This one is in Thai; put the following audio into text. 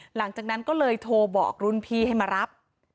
หลังจากนั้นก็เลยโทรบอกรุ่นพี่ให้มารับ